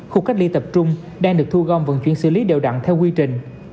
khu cách ly tập trung đang được thu gom vận chuyển xử lý đều đặn theo quy trình